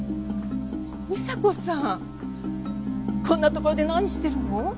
美沙子さんこんな所で何してるの？